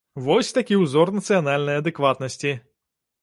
Вось такі ўзор нацыянальнай адэкватнасці!